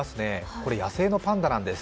これは野生のパンダなんです。